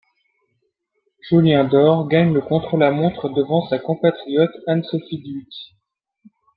Jolien D'Hoore gagne le contre-la-montre devant sa compatriote Ann-Sophie Duyck.